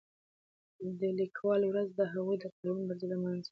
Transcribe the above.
د لیکوالو ورځ د هغوی د قلمي مبارزې لمانځنه ده.